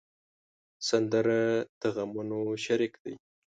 سندره د غمونو شریک دی